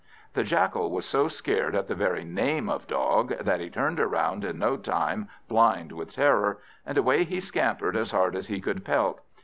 The Jackal was so scared at the very name of dog, that he turned about in no time, blind with terror, and away he scampered as hard as he could pelt.